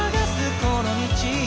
この道を」